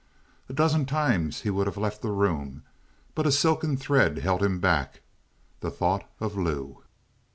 A dozen times he would have left the room, but a silken thread held him back, the thought of Lou.